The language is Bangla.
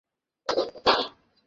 আমাদের টিমের কথা বলছ?